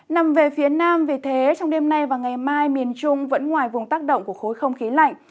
nằm về phía nam vì thế trong đêm nay và ngày mai miền trung vẫn ngoài vùng tác động của khối không khí lạnh